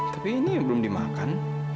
tapi ini belum dimakan